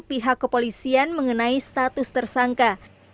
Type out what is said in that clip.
pihak kepolisian mengenai status tersangka